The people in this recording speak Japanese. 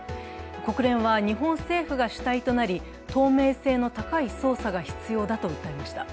国連は日本政府が主体となり、透明性の高い捜査が必要だと訴えました。